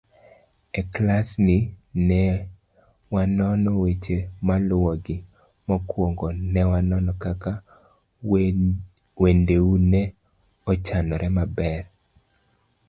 E klasni, ne wanono weche maluwogi; mokwongo, ne wanono kaka wendeu ne ochanore maber.